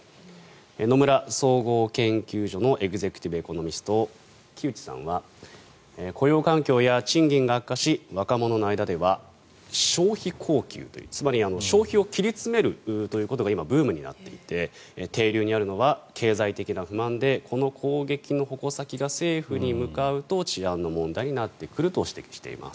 野村総合研究所のエグゼクティブ・エコノミスト木内さんは雇用環境や賃金が悪化し若者の間では消費降級という、つまり消費を切り詰めるということが今、ブームになっていて底流にあるのは経済的な不満でこの攻撃の矛先が政府に向かうと治安の問題になってくると指摘しています。